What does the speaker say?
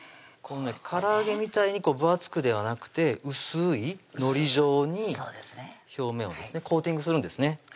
から揚げみたいに分厚くではなくて薄いのり状に表面をですねコーティングするんですね